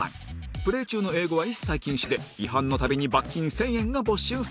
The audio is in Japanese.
プレー中の英語は一切禁止で違反の度に罰金１０００円が没収されます